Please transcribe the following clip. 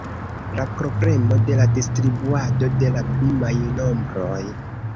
La problemo de la distribuado de la primaj nombroj.